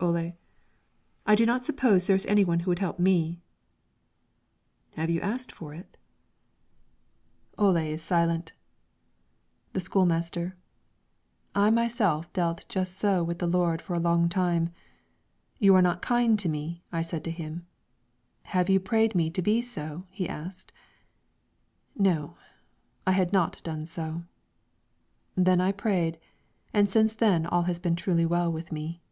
Ole: "I do not suppose there is any one who would help me." "Have you asked for it?" Ole is silent. The school master: "I myself dealt just so with the Lord for a long time. 'You are not kind to me,' I said to Him. 'Have you prayed me to be so?' asked He. No; I had not done so. Then I prayed, and since then all has been truly well with me."